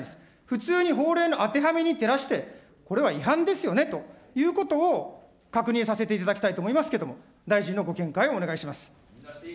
普通に法令の当てはめに照らして、これは違反ですよねということを確認させていただきたいと思いますけども、大臣のご見解をお願いします。